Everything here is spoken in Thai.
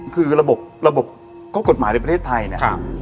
คือระบบระบบข้อกฎหมายในประเทศไทยเนี่ย